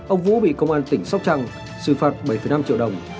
ông vũ bị công an tỉnh sóc trăng xử phạt bảy năm triệu đồng